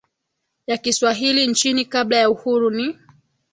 ya Kiswahili nchini kabla ya Uhuru ni